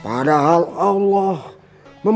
aku benar benar